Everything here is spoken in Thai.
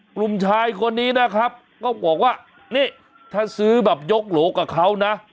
กลุ่มชายคนนี้นะครับก็บอกว่านี่ถ้าซื้อแบบยกโหลกับเขานะ